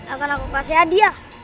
akan aku kasih hadiah